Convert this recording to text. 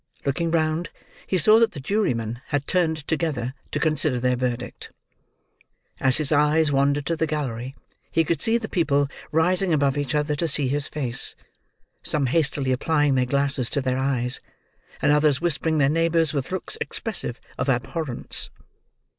Looking round, he saw that the jurymen had turned together, to consider their verdict. As his eyes wandered to the gallery, he could see the people rising above each other to see his face: some hastily applying their glasses to their eyes: and others whispering their neighbours with looks expressive of abhorrence.